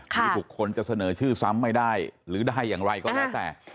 มีบุคคลจะเสนอชื่อซ้ำไม่ได้หรือได้อย่างไรก็แล้วแต่